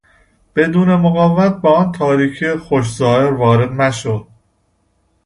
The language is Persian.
بدون مقاومت به آن تاریکی خوش ظاهر وارد مشو...